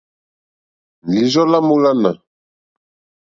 Lǐīrzɔ́ lá mòlânà.